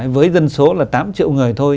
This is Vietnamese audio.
với dân số là tám triệu người thôi